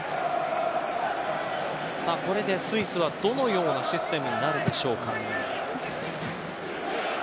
スイスはどのようなシステムになるでしょうか。